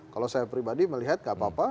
kalau saya pribadi melihat gak apa apa